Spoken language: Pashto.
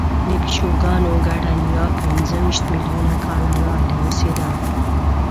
د پیشوګانو ګډه نیا پنځهویشت میلیونه کاله وړاندې اوسېده.